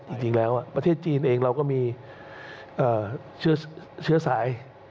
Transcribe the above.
จริงแล้วประเทศจีนเองเราก็มีเชื้อสาย